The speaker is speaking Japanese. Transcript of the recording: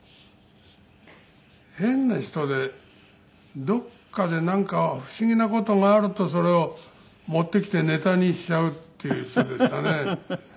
変な人でどこかでなんか不思議な事があるとそれを持ってきてネタにしちゃうっていう人でしたね。